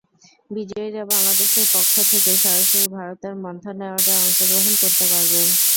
বিজয়ীরা বাংলাদেশের পক্ষ থেকে সরাসরি ভারতের মন্থন অ্যাওয়ার্ডে অংশগ্রহণ করতে পারবেন।